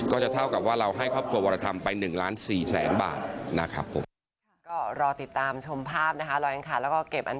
เท่ากับว่าเราให้ครอบครัววรธรรมไป๑ล้าน๔แสนบาทนะครับผม